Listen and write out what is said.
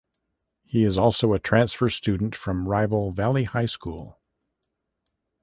He is also a transfer student from rival Valley High School.